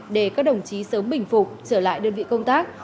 để các đồng chí sớm bình phục trở lại đơn vị công tác